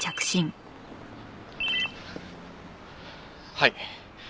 はい。